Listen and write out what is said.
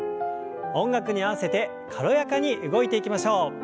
音楽に合わせて軽やかに動いていきましょう。